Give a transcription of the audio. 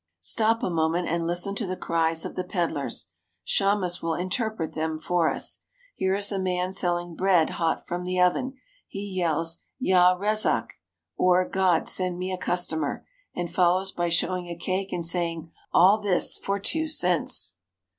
Stop a moment and listen to the cries of the pedlars. Shammas will interpret them for us. Here is a man selling bread hot from the oven. He yells: "Ya retfak" , or, "God, send me a customer," and follows by showing a cake and saying, "All this for two cents."